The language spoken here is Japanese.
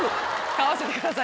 買わせてください。